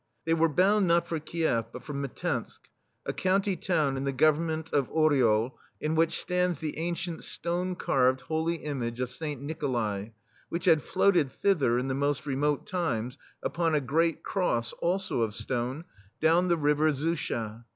They were bound not for KiefF, but for Mtzensk, a county town in the Gov ernment of Oryol, in which stands the ancient "stone carved" holy image of Saint Nikolai, which had floated thither, in the most remote times, upon a great cross, also of stone, down the river THE STEEL FLEA Zusha.